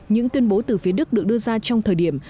những tuyên bố từ phía đức được đưa ra trong thời điểm